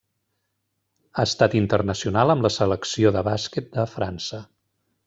Ha estat internacional amb la Selecció de bàsquet de França.